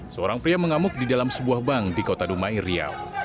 seorang pria mengamuk di dalam sebuah bank di kota dumai riau